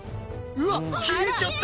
うわっ、消えちゃった！